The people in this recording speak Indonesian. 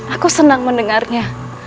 aku senang mendengarnya